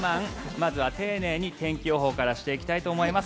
まずは丁寧に天気予報からしていきたいと思います。